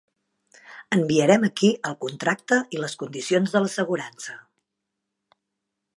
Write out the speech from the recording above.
Enviarem aquí el contracte i les condicions de l'assegurança.